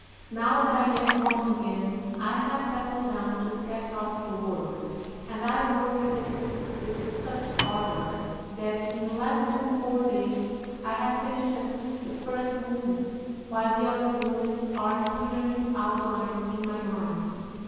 Now that I am home again I have settled down to sketch out the work, and I work at it with such ardor that in less than four days I have finished the first movement, while the other movements are clearly outlined in my mind.